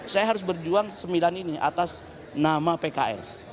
saya harus berjuang sembilan ini atas nama pks